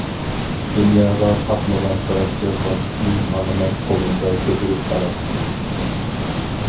دۇنياغا پاتمىغان بارچە ۋاقىتنى ماڭىمەن قولۇمدا كۆتۈرۈپ ئاران.